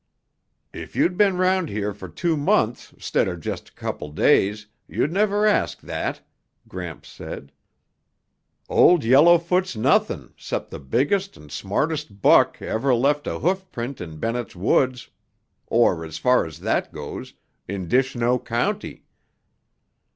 "If you'd been round here for two months 'stead of just a couple days, you'd never ask that," Gramps said. "Old Yellowfoot's nothing 'cept the biggest and smartest buck ever left a hoofprint in Bennett's Woods or, as far as that goes, in Dishnoe County.